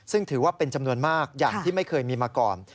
ซึ่งถือว่าเป็นจำนวนมากอย่างที่ไม่เคยมีมาก่อน